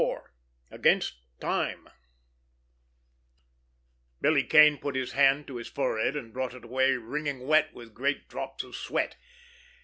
XXIV—AGAINST TIME Billy Kane put his hand to his forehead, and brought it away wringing wet with great drops of sweat.